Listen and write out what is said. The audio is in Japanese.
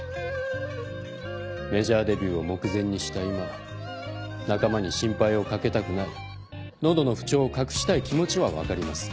メジャーデビューを目前にした今仲間に心配をかけたくない喉の不調を隠したい気持ちは分かります。